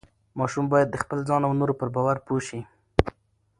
ماشوم باید د خپل ځان او نورو پر باور پوه شي.